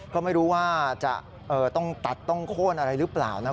ก็ไม่รู้ว่าจะต้องตัดต้องโค้นอะไรหรือเปล่านะ